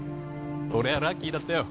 俺はラッキーだったよ